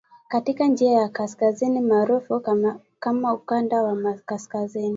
katika njia ya kaskazini maarufu kama ukanda wa kaskazini.